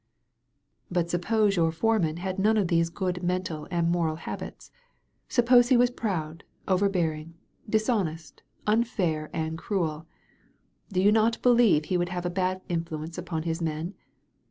"But suppose your foreman had none of these good mental and moral habits. Suppose he was proud, overbearing, dishonest, unfair, and cruel. Do you not believe he would have a bad influence upon his men?